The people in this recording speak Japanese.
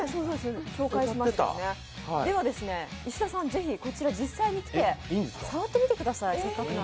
では、石田さん、ぜひこちらに実際に来て触ってみてください。